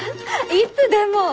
いつでも！